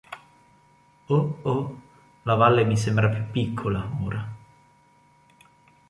Oh, oh, – la valle mi sembra più piccola, ora.